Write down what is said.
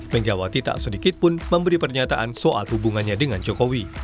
megawati tak sedikit pun memberi pernyataan soal hubungannya dengan jokowi